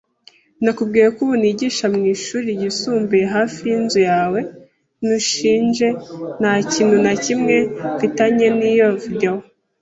Nakubwiye ko ubu nigisha mwishuri ryisumbuye hafi yinzu yawe? Ntunshinje, nta kintu na kimwe mfitanye n'iyo videwo.